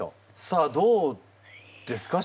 さあどうですか？